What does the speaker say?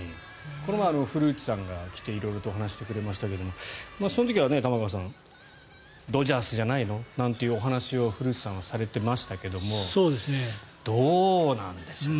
この前、古内さんが来て色々お話ししてくれましたがその時は玉川さんドジャースじゃないのなんていうお話を古内さんはされていましたけれどどうなんでしょうかね。